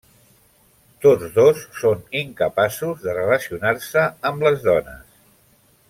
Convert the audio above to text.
Tots dos són incapaços de relacionar-se amb les dones.